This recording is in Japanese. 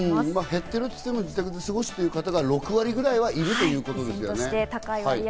減ってるといっても自宅で過ごす方が６割くらいいるということですけどね。